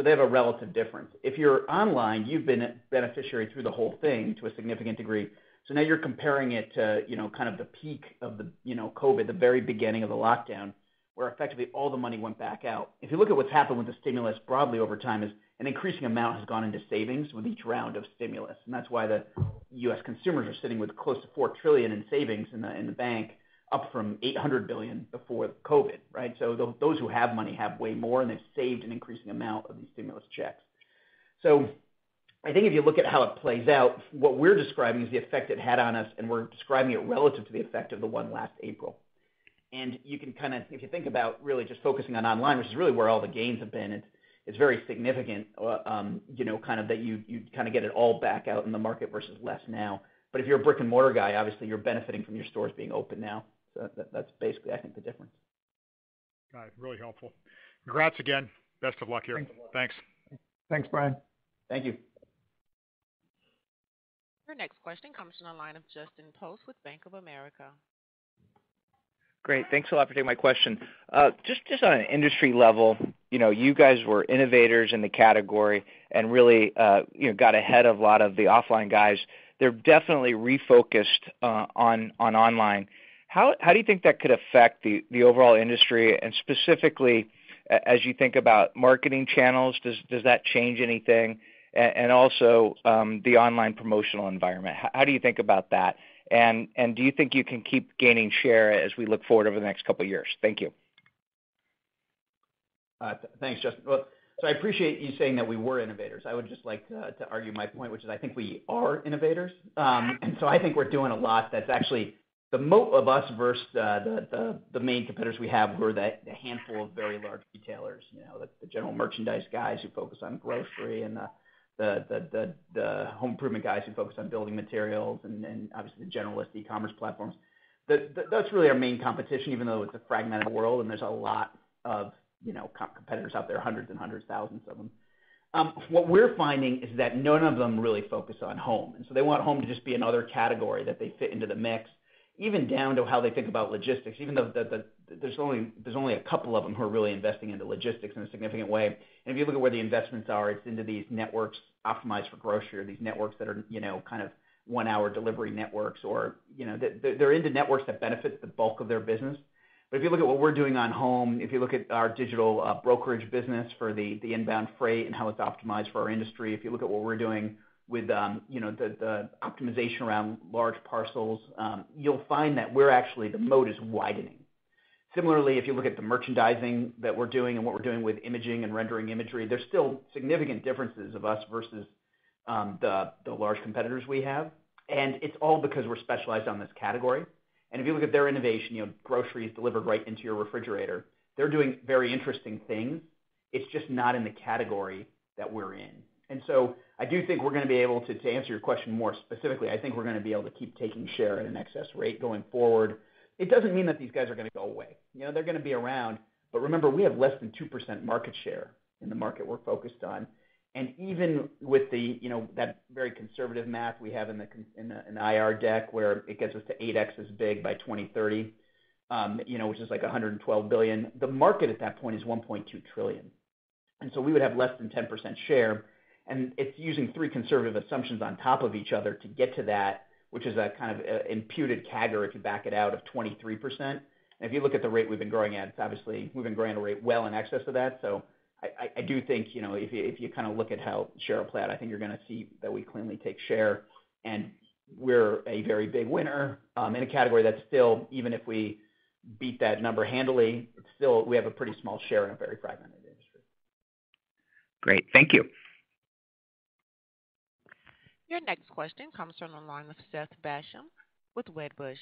C: They have a relative difference. If you're online, you've been a beneficiary through the whole thing to a significant degree. Now you're comparing it to kind of the peak of the COVID, the very beginning of the lockdown, where effectively all the money went back out. If you look at what's happened with the stimulus broadly over time is an increasing amount has gone into savings with each round of stimulus, and that's why the U.S. consumers are sitting with close to $4 trillion in savings in the bank, up from $800 billion before COVID, right? Those who have money have way more, and they've saved an increasing amount of these stimulus checks. I think if you look at how it plays out, what we're describing is the effect it had on us, and we're describing it relative to the effect of the one last April. If you think about really just focusing on online, which is really where all the gains have been, it's very significant that you kind of get it all back out in the market versus less now. If you're a brick and mortar guy, obviously you're benefiting from your stores being open now. That's basically, I think, the difference.
G: Got it. Really helpful. Congrats again. Best of luck here.
E: Thanks a lot.
G: Thanks.
E: Thanks, Brian.
C: Thank you.
A: Your next question comes from the line of Justin Post with Bank of America.
H: Great. Thanks a lot for taking my question. Just on an industry level, you guys were innovators in the category and really got ahead of a lot of the offline guys. They're definitely refocused on online. How do you think that could affect the overall industry, specifically, as you think about marketing channels, does that change anything? Also, the online promotional environment, how do you think about that? Do you think you can keep gaining share as we look forward over the next couple of years? Thank you.
C: Thanks, Justin. I appreciate you saying that we were innovators. I would just like to argue my point, which is, I think we are innovators. I think we're doing a lot that's actually the moat of us versus the main competitors we have, who are the handful of very large retailers. The general merchandise guys who focus on grocery, and the home improvement guys who focus on building materials, and then obviously the generalist e-commerce platforms. That's really our main competition, even though it's a fragmented world and there's a lot of competitors out there, hundreds and hundreds, thousands of them. What we're finding is that none of them really focus on home. They want home to just be another category that they fit into the mix, even down to how they think about logistics, even though there's only a couple of them who are really investing into logistics in a significant way. If you look at where the investments are, it's into these networks optimized for grocery or these networks that are kind of one-hour delivery networks, or they're into networks that benefit the bulk of their business. If you look at what we're doing on home, if you look at our digital brokerage business for the inbound freight and how it's optimized for our industry, if you look at what we're doing with the optimization around large parcels, you'll find that we're actually, the moat is widening. Similarly, if you look at the merchandising that we're doing and what we're doing with imaging and rendering imagery, there's still significant differences of us versus the large competitors we have, and it's all because we're specialized on this category. If you look at their innovation, grocery is delivered right into your refrigerator. They're doing very interesting things. It's just not in the category that we're in. I do think we're going to be able to answer your question more specifically, I think we're going to be able to keep taking share at an excess rate going forward. It doesn't mean that these guys are going to go away. They're going to be around, but remember, we have less than 2% market share in the market we're focused on. Even with that very conservative math we have in the IR deck where it gets us to 8x as big by 2030, which is like $112 billion. The market at that point is $1.2 trillion. We would have less than 10% share. It's using three conservative assumptions on top of each other to get to that, which is a kind of imputed CAGR if you back it out of 23%. If you look at the rate we've been growing at, obviously we've been growing at a rate well in excess of that. I do think, if you kind of look at how share will play out, I think you're going to see that we cleanly take share, and we're a very big winner in a category that's still, even if we beat that number handily, it's still, we have a pretty small share in a very fragmented industry.
H: Great. Thank you.
A: Your next question comes from the line of Seth Basham with Wedbush.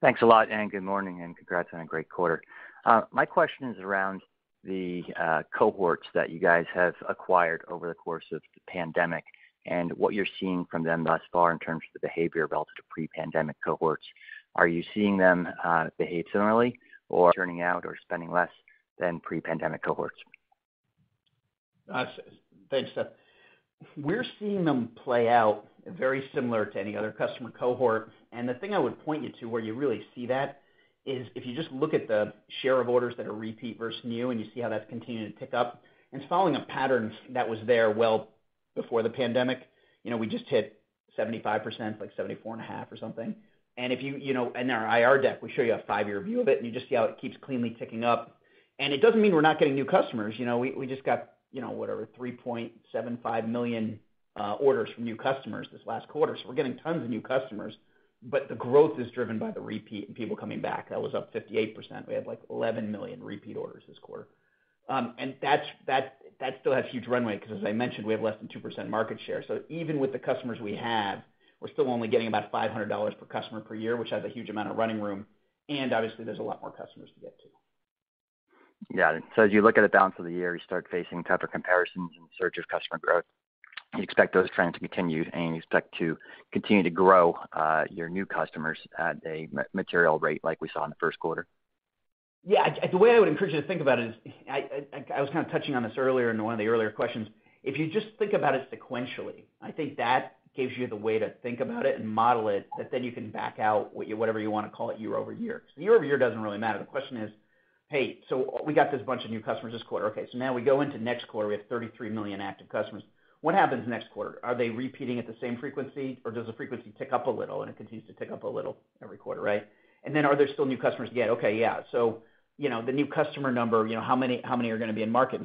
I: Thanks a lot and good morning, and congrats on a great quarter. My question is around the cohorts that you guys have acquired over the course of the pandemic and what you're seeing from them thus far in terms of the behavior relative to pre-pandemic cohorts. Are you seeing them behave similarly or churning out or spending less than pre-pandemic cohorts?
C: Thanks, Seth. We're seeing them play out very similar to any other customer cohort. The thing I would point you to where you really see that is if you just look at the share of orders that are repeat versus new. You see how that's continuing to tick up. It's following a pattern that was there well before the pandemic. We just hit 75%, like 74.5% or something. In our IR deck, we show you a five-year view of it. You just see how it keeps cleanly ticking up. It doesn't mean we're not getting new customers. We just got whatever, 3.75 million orders from new customers this last quarter. We're getting tons of new customers, but the growth is driven by the repeat and people coming back. That was up 58%. We had like 11 million repeat orders this quarter. That still has huge runway because as I mentioned, we have less than 2% market share. Even with the customers we have, we're still only getting about $500 per customer per year, which has a huge amount of running room, and obviously, there's a lot more customers to get to.
I: Yeah. As you look at the balance of the year, you start facing tougher comparisons in search of customer growth. You expect those trends to continue, and you expect to continue to grow your new customers at a material rate like we saw in the first quarter?
C: Yeah. The way I would encourage you to think about it is, I was kind of touching on this earlier in one of the earlier questions. If you just think about it sequentially, I think that gives you the way to think about it and model it, that then you can back out whatever you want to call it year-over-year. Year-over-year doesn't really matter. The question is, hey, we got this bunch of new customers this quarter. Okay, now we go into next quarter. We have 33 million active customers. What happens next quarter? Are they repeating at the same frequency, or does the frequency tick up a little, and it continues to tick up a little every quarter, right? Are there still new customers to get? Okay, yeah. The new customer number, how many are going to be in market?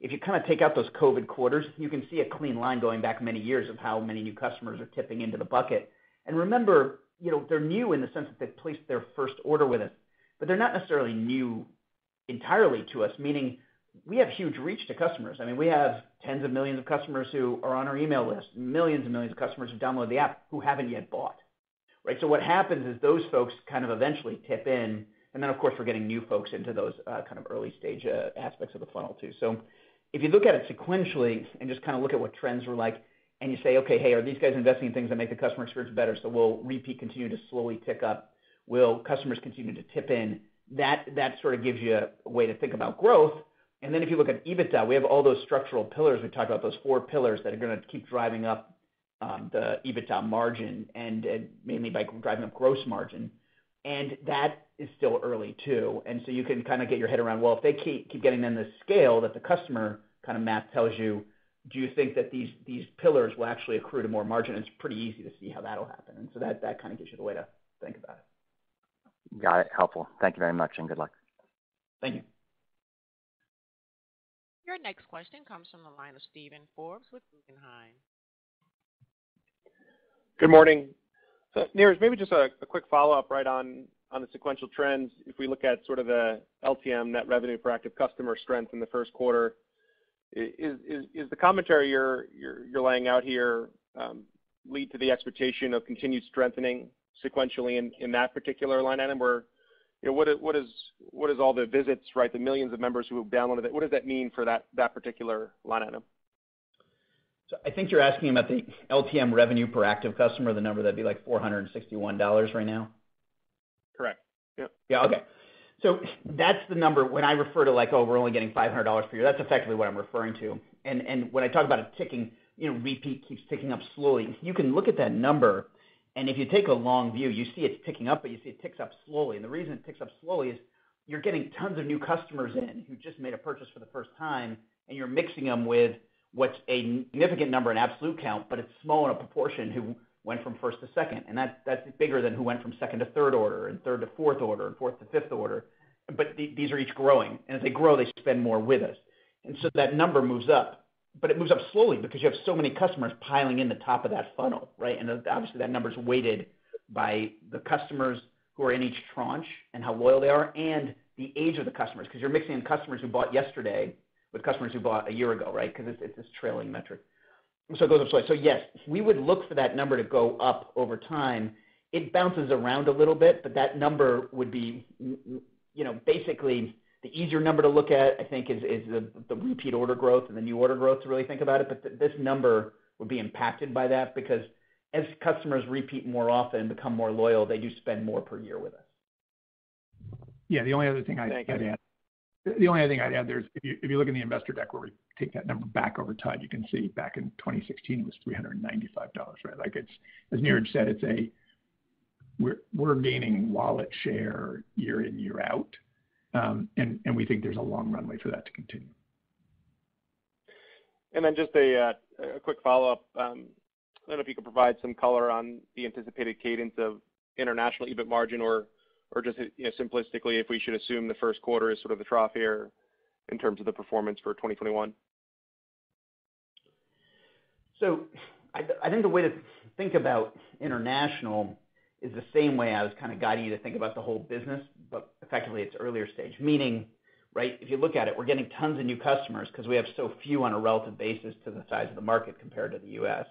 C: If you kind of take out those COVID quarters, you can see a clean line going back many years of how many new customers are tipping into the bucket. Remember, they're new in the sense that they've placed their first order with us, but they're not necessarily new entirely to us, meaning we have huge reach to customers. I mean, we have tens of millions of customers who are on our email list, millions and millions of customers who download the app who haven't yet bought, right? What happens is those folks kind of eventually tip in, and then of course, we're getting new folks into those kind of early-stage aspects of the funnel too. If you look at it sequentially and just kind of look at what trends were like, and you say, "Okay, hey, are these guys investing in things that make the customer experience better? Will repeat continue to slowly tick up? Will customers continue to tick in?" That sort of gives you a way to think about growth. If you look at EBITDA, we have all those structural pillars we've talked about, those four pillars that are going to keep driving up the EBITDA margin and mainly by driving up gross margin. That is still early too. You can kind of get your head around, well, if they keep getting them the scale that the customer kind of math tells you, do you think that these pillars will actually accrue to more margin? It's pretty easy to see how that'll happen. That kind of gives you the way to think about it.
I: Got it. Helpful. Thank you very much. Good luck.
C: Thank you.
A: Your next question comes from the line of Steven Forbes with Guggenheim.
J: Good morning. Niraj, maybe just a quick follow-up right on the sequential trends. If we look at sort of the LTM net revenue per active customer strength in the first quarter, is the commentary you're laying out here lead to the expectation of continued strengthening sequentially in that particular line item? What does all the visits, right, the millions of members who have downloaded it, what does that mean for that particular line item?
C: I think you're asking about the LTM revenue per active customer, the number that'd be like $461 right now.
J: Correct. Yep.
C: Yeah. Okay. That's the number when I refer to, like, "Oh, we're only getting $500 per year," that's effectively what I'm referring to. When I talk about it ticking, repeat keeps ticking up slowly. You can look at that number, and if you take a long view, you see it's ticking up, but you see it ticks up slowly. The reason it ticks up slowly is you're getting tons of new customers in who just made a purchase for the first time, and you're mixing them with what's a significant number in absolute count, but it's small in a proportion who went from first to second, and that's bigger than who went from second to third order and third to fourth order and fourth to fifth order. These are each growing, and as they grow, they spend more with us. That number moves up. It moves up slowly because you have so many customers piling in the top of that funnel, right? Obviously, that number's weighted by the customers who are in each tranche and how loyal they are and the age of the customers because you're mixing in customers who bought yesterday with customers who bought a year ago, right? It's this trailing metric. It goes up slowly. Yes, we would look for that number to go up over time. It bounces around a little bit, but that number would be basically the easier number to look at, I think, is the repeat order growth and the new order growth to really think about it. This number would be impacted by that because as customers repeat more often and become more loyal, they do spend more per year with us.
E: Yeah, the only other thing I'd add-
J: Thank you.
E: The only other thing I'd add there is if you look in the investor deck where we take that number back over time, you can see back in 2016, it was $395, right? As Niraj said, we're gaining wallet share year in, year out, we think there's a long runway for that to continue.
J: Just a quick follow-up. I don't know if you could provide some color on the anticipated cadence of international EBIT margin or just simplistically, if we should assume the first quarter is sort of the trough here in terms of the performance for 2021?
C: I think the way to think about international is the same way I was kind of guiding you to think about the whole business, but effectively, it's earlier stage, meaning, right, if you look at it, we're getting tons of new customers because we have so few on a relative basis to the size of the market compared to the U.S.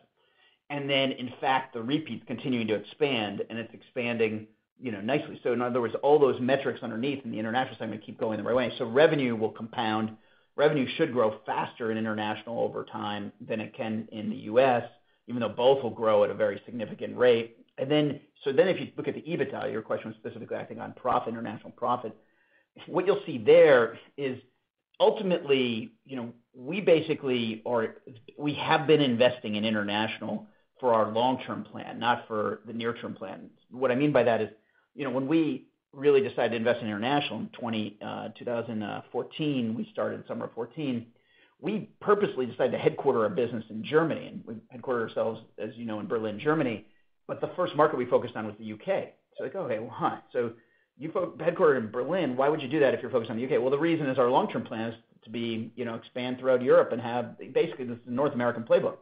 C: In fact, the repeat's continuing to expand, and it's expanding nicely. In other words, all those metrics underneath in the international segment keep going the right way. Revenue will compound. Revenue should grow faster in international over time than it can in the U.S., even though both will grow at a very significant rate. If you look at the EBITDA, your question was specifically, I think, on international profit. What you'll see there is ultimately, we have been investing in international for our long-term plan, not for the near-term plan. What I mean by that is when we really decided to invest in international in 2014, we started summer of 2014, we purposely decided to headquarter our business in Germany, and we headquarter ourselves, as you know, in Berlin, Germany. The first market we focused on was the U.K. Like, okay, well, huh? You headquartered in Berlin. Why would you do that if you're focused on the U.K.? Well, the reason is our long-term plan is to expand throughout Europe and have basically this North American playbook.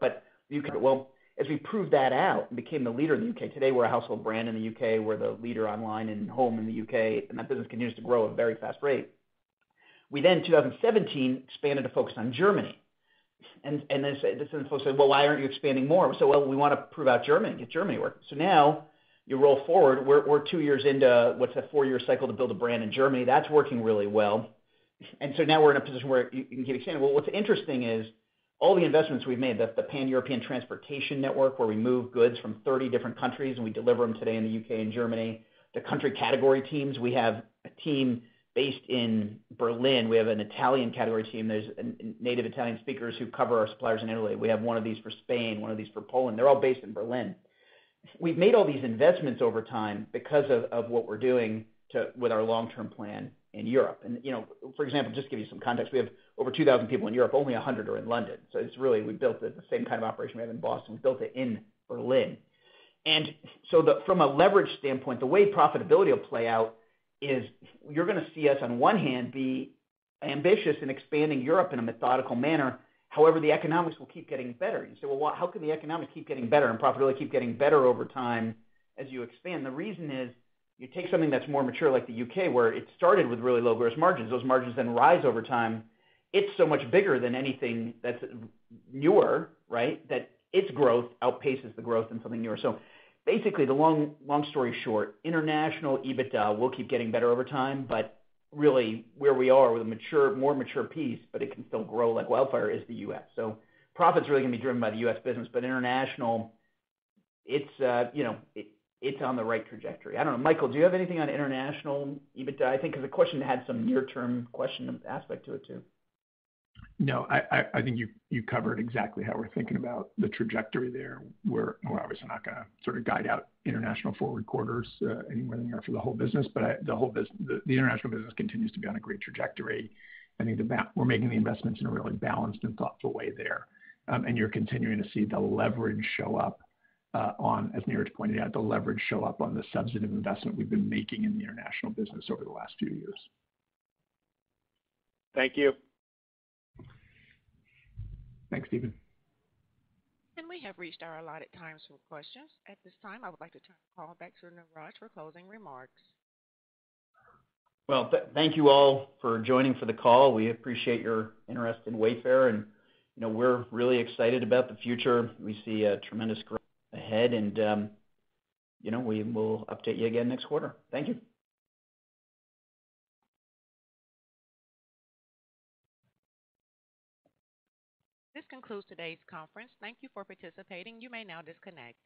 C: Well, as we proved that out and became the leader in the U.K., today, we're a household brand in the U.K. We're the leader online and home in the U.K., and that business continues to grow at a very fast rate. We then, 2017, expanded a focus on Germany. Some folks said, "Well, why aren't you expanding more?" We said, "Well, we want to prove out Germany and get Germany working." Now you roll forward. We're two years into what's a four-year cycle to build a brand in Germany. That's working really well. Now we're in a position where you can expand. Well, what's interesting is all the investments we've made, the Pan-European transportation network, where we move goods from 30 different countries, and we deliver them today in the U.K. and Germany. The country category teams, we have a team based in Berlin. We have an Italian category team. There's native Italian speakers who cover our suppliers in Italy. We have one of these for Spain, one of these for Poland. They're all based in Berlin. We've made all these investments over time because of what we're doing with our long-term plan in Europe. For example, just to give you some context, we have over 2,000 people in Europe. Only 100 are in London. It's really, we built the same kind of operation we have in Boston. We built it in Berlin. From a leverage standpoint, the way profitability will play out is you're going to see us, on one hand, be ambitious in expanding Europe in a methodical manner. However, the economics will keep getting better. You say, "Well, how can the economics keep getting better and profitability keep getting better over time as you expand?" You take something that's more mature, like the U.K., where it started with really low gross margins. Those margins rise over time. It's so much bigger than anything that's newer, right? Its growth outpaces the growth in something newer. The long story short, international EBITDA will keep getting better over time, but really where we are with a more mature piece, but it can still grow like wildfire, is the U.S. Profits are really going to be driven by the U.S. business, but international, it's on the right trajectory. I don't know, Michael, do you have anything on international EBITDA? I think because the question had some near-term question aspect to it too.
E: No, I think you covered exactly how we're thinking about the trajectory there. We're obviously not going to sort of guide out international forward quarters any more than we are for the whole business, but the international business continues to be on a great trajectory. I think we're making the investments in a really balanced and thoughtful way there. You're continuing to see the leverage show up on, as Niraj pointed out, the leverage show up on the substantive investment we've been making in the international business over the last few years.
J: Thank you.
E: Thanks, Steven.
A: We have reached our allotted time for questions. At this time, I would like to turn the call back to Niraj for closing remarks.
C: Well, thank you all for joining for the call. We appreciate your interest in Wayfair, and we're really excited about the future. We see a tremendous growth ahead, and we will update you again next quarter. Thank you.
A: This concludes today's conference. Thank you for participating. You may now disconnect.